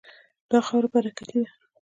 دا خاوره برکتي ده.